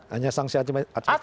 hanya sangsi administrasi